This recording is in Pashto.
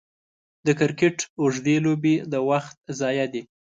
د کرکټ اوږدې لوبې د وخت ضايع دي.